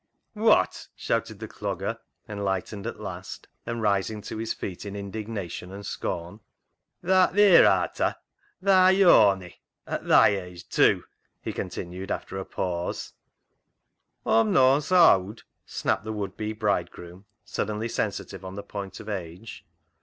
" Wot !" shouted the Clogger, enlightened at last, and rising to his feet in his indignation and scorn. " Th'art theer are ta ? thaa yor ney !"" At thy age tew," he continued after a pause. " Aw'm nooan sa owd," snapped the would be bridegroom, suddenly sensitive on the point of age.